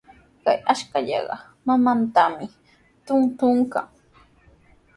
Chay ashkallaqa mamantami trutruykan.